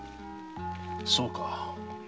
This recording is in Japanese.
そうか。